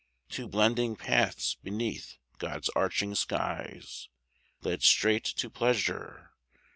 Two blending paths beneath God's arching skies Lead straight to Pleasure.